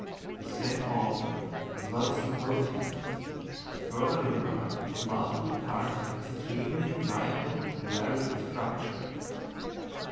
The same author as well as some botanists, have further remarked that multiple parts are extremely liable to vary in structure.